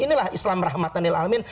inilah islam rahmatanil alamin